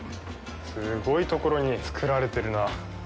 すごいところに造られてるな。